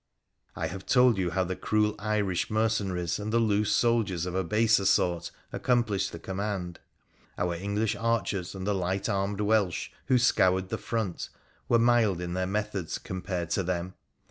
I have told you how the cruel Irish mercenaries and the loose soldiers of a baser sort accomplished the command. Our English archers and the light armed Welsh, who scoured the front, were mild in their methods compared to them.